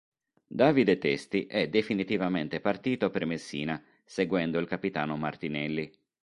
Davide Testi è definitivamente partito per Messina seguendo il capitano Martinelli.